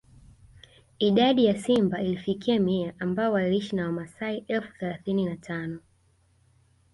Idadi ya simba ilifikia mia ambao waliishi na wamaasai elfu thelathini na tano